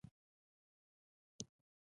هغه اصلاً یو خیاط وو.